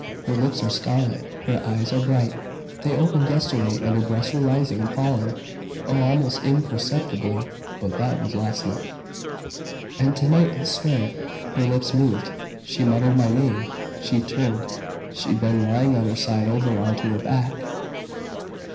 Her lips are scarlet! Her eyes are bright they opened yesterday and her breasts were rising and falling oh, almost imperceptibly but that was last night. "And tonight I swear it her lips moved! She muttered my name! She turned she'd been lying on her side over onto her back!"